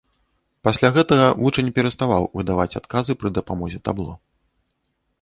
Пасля гэтага вучань пераставаў выдаваць адказы пры дапамозе табло.